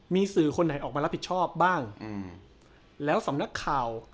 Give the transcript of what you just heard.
มีสื่อคนไหนออกมารับผิดชอบบ้างอืมแล้วสำนักข่าว